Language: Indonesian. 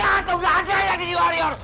ada atau gak ada yang jadi warrior